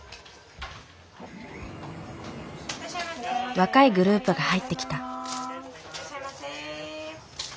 若いグループが入ってきた。